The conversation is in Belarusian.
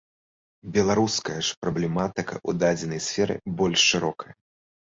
Беларуская ж праблематыка ў дадзенай сферы больш шырокая.